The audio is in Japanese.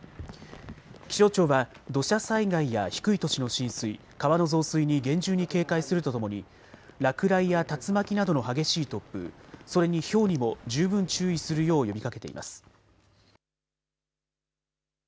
気象庁は土砂災害や低い土地の浸水、川の増水に厳重に警戒するとともに落雷や竜巻などの激しい突風、それにひょうにも十分注意するよう呼びかけています。